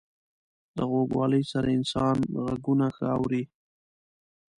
• د غوږوالۍ سره انسانان ږغونه ښه اوري.